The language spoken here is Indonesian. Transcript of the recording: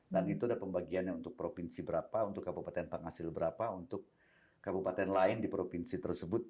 dan itu ada pembagiannya untuk provinsi berapa untuk kabupaten penghasil berapa untuk kabupaten lain di provinsi tersebut